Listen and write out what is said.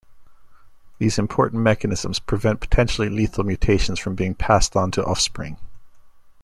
These important mechanisms prevent potentially lethal mutations from being passed on to offspring.